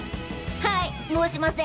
はいもうしません。